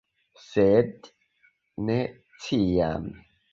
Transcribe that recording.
Sed ne ĉiam!